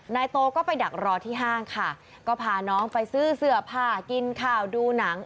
นายโตก็ไปดักรอที่ห้างค่ะก็พาน้องไปซื้อเสื้อผ้ากินข่าวดูหนัง